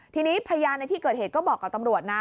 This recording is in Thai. ทีนี้พยานในที่เกิดเหตุก็บอกกับตำรวจนะ